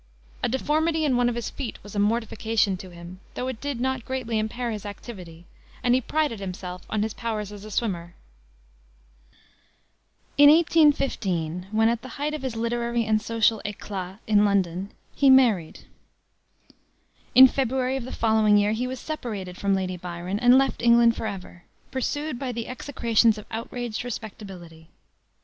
A deformity in one of his feet was a mortification to him, though it did not greatly impair his activity, and he prided himself upon his powers as a swimmer. In 1815, when at the height of his literary and social éclat in London, he married. In February of the following year he was separated from Lady Byron, and left England forever, pursued by the execrations of outraged respectability.